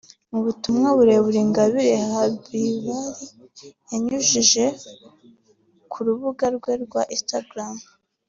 Mu butumwa burebure Ingabire Habibah yanyujije ku rukuta rwe rwa instagra